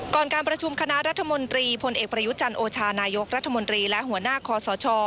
การประชุมคณะรัฐมนตรีพลเอกประยุจันทร์โอชานายกรัฐมนตรีและหัวหน้าคอสช